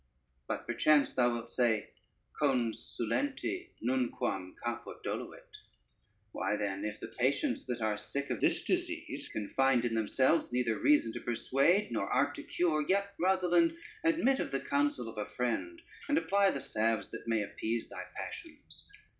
But perchance thou wilt say: Consulenti nunquam caput doluit. Why then, if the patients that are sick of this disease can find in themselves neither reason to persuade, nor art to cure, yet, Rosalynde, admit of the counsel of a friend, and apply the salves that may appease thy passions.